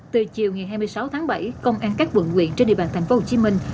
từ chiều ngày hai mươi sáu tháng bảy công an các quận quyện trên địa bàn thành phố hồ chí minh